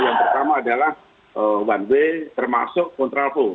yang pertama adalah one way termasuk kontraflow